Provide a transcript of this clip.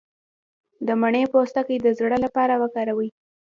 د مڼې پوستکی د زړه لپاره وکاروئ